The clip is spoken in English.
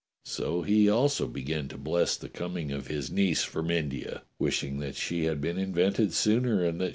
So he also began to bless the coming of his niece from India, wishing that she had been invented sooner and that